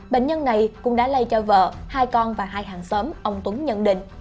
bệnh nhân này cũng đã lây cho vợ hai con và hai hàng xóm ông tuấn nhận định